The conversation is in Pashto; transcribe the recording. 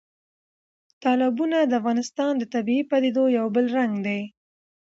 تالابونه د افغانستان د طبیعي پدیدو یو بل رنګ دی.